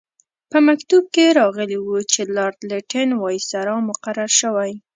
په مکتوب کې راغلي وو چې لارډ لیټن وایسرا مقرر شوی.